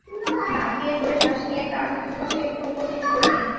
নাক দিয়ে জোরে শ্বাস নিয়ে কাঁধ দুপাশে একটু ওপর নিচ করে নিন।